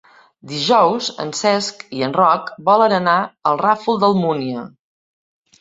Dijous en Cesc i en Roc volen anar al Ràfol d'Almúnia.